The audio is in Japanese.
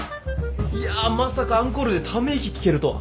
いやまさかアンコールで『ためいき』聴けるとは。